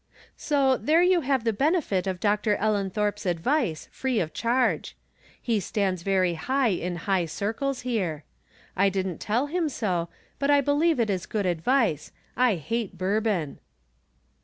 So, there you have the benefit of Dr. Ellen thorpe's advice, free of charge. He stands very high in high circles here. I didn't tell Tiim so, but I believe it is good advice. I hate bourbon."